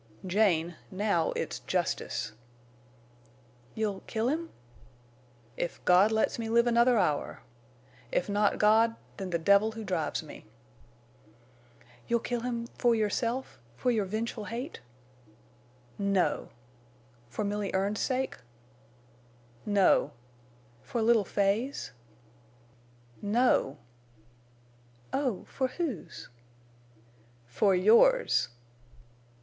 "Jane, now it's justice." "You'll—kill him?" "If God lets me live another hour! If not God—then the devil who drives me!" "You'll kill him—for yourself—for your vengeful hate?" "No!" "For Milly Erne's sake?" "No." "For little Fay's?" "No!" "Oh—for whose?" _"For yours!"